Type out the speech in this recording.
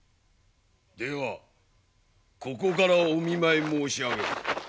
ではここからお見舞い申し上げるぞ。